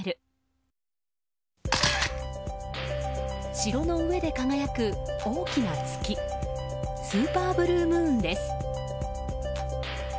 城の上で輝く大きな月スーパーブルームーンです。